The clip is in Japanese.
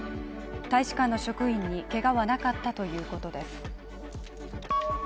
大使館の職員にけがはなかったということです